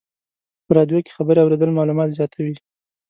په رادیو کې خبرې اورېدل معلومات زیاتوي.